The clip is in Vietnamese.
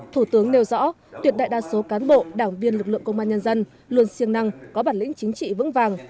thủ tướng nêu rõ tuyệt đại đa số cán bộ đảng viên lực lượng công an nhân dân luôn siêng năng có bản lĩnh chính trị vững vàng